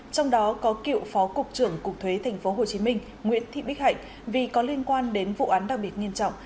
trong đó có cựu phó cục trưởng cục thuế tp hcm nguyễn thị bích hạnh vì có liên quan đến vụ án đặc biệt nghiêm trọng